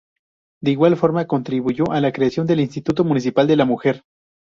De igual forma, contribuyó a la creación del Instituto Municipal de la Mujer.